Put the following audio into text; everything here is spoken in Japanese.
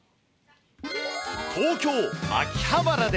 東京・秋葉原で。